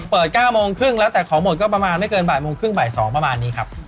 ๙โมงครึ่งแล้วแต่ของหมดก็ประมาณไม่เกินบ่ายโมงครึ่งบ่าย๒ประมาณนี้ครับ